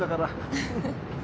ウフフフ。